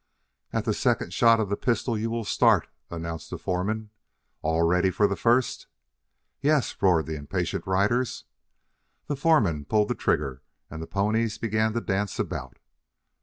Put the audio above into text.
"At the second shot of the pistol you will start," announced the foreman. "All ready for the first?" "Yes!" roared the impatient riders. The foreman pulled the trigger and the ponies began to dance about.